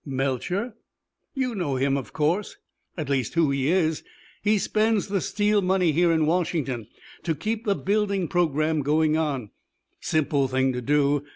"Melcher?" "You know him, of course at least, who he is. He spends the steel money here in Washington to keep the building program going on. Simple thing to do.